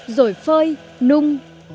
rồi phơi nung